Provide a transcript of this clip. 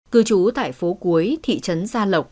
cư trú tại phố cuối thị trấn gia lộc